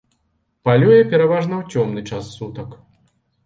Палюе пераважна ў цёмны час сутак.